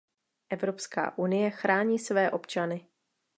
Evropská unie chrání své občany.